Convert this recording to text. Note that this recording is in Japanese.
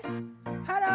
ハロー！